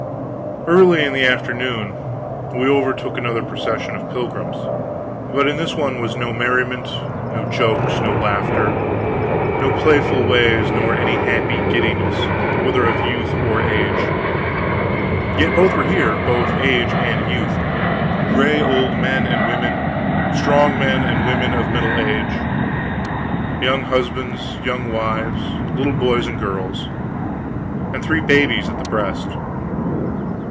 Early in the afternoon we overtook another procession of pilgrims; but in this one was no merriment, no jokes, no laughter, no playful ways, nor any happy giddiness, whether of youth or age. Yet both were here, both age and youth; gray old men and women, strong men and women of middle age, young husbands, young wives, little boys and girls, and three babies at the breast.